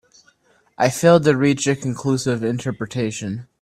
I failed to reach a conclusive interpretation.